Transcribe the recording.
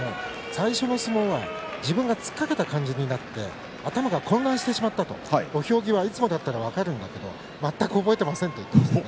最初の相撲は自分が突っかけた感じになって頭が混乱してしまった土俵際、いつもだったら分かるんだけど全く覚えていません。